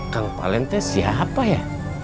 kang palen teh siapa ya